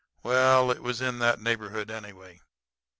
Well, it was in that neighborhood, anyway.